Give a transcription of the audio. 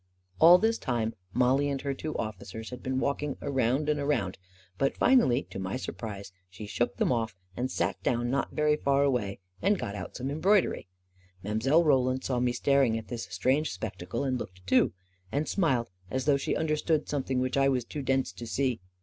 All this time, Mollie and her two officers had been walking around and around; but finally to my sur prise she shook them off and sat down not very far away and got out some embroidery. Mile. Roland saw me staring at this strange spectacle, and looked too, and smiled as though she understood something which I was too dense to see.